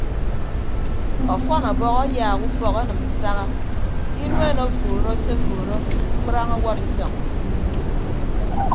Ọfọn ọbọhọ ayaak ufọk enịm nsaha inuen ofuuro se ofuuro mkprañ ọwọd isọñ.